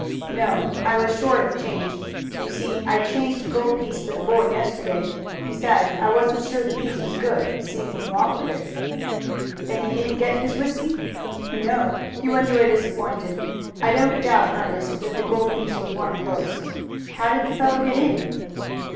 "No. I was short of change. You see I changed a gold piece for the boy yesterday. Besides, I wasn't sure the piece was good, seeing who offered it." "Then he didn't get his whisky?" "No. He went away disappointed. I don't doubt, Ernest, that the gold piece was one of yours. How did the fellow get in?"